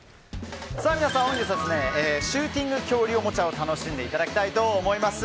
皆さん、本日はシューティング恐竜おもちゃを楽しんでいただきたいと思います。